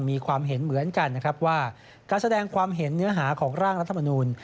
มีความเห็นเหมือนกันนะครับว่าการแสดงความเห็นเนื้อหาของร่างรัฐมนูล